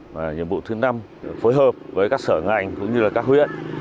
và nhiệm vụ thứ năm phối hợp với các sở ngành cũng như là các huyện